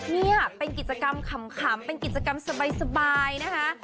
นี่เป็นกิจกรรมขำเป็นกิจกรรมสบายนะคะ